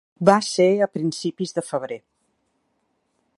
Va ser a principis de febrer.